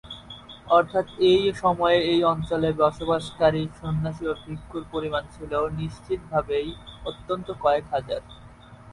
অর্থাৎ এই সময়ে এই অঞ্চলে বসবাসকারী সন্ন্যাসী ও ভিক্ষুর পরিমাণ ছিল নিশ্চিতভাবেই অন্তত কয়েক হাজার।